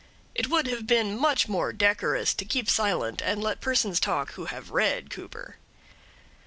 It would have been much more decorous to keep silent and let persons talk who have read Cooper.